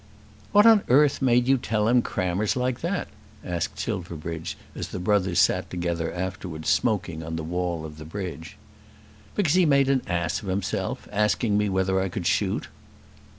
"What on earth made you tell him crammers like that?" asked Silverbridge, as the brothers sat together afterwards smoking on the wall of the bridge. "Because he made an ass of himself; asking me whether I could shoot."